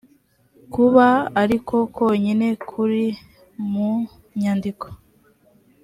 kuba ariko konyine kuri mu nyandiko